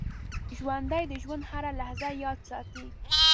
ژوندي د ژوند هره لحظه یاد ساتي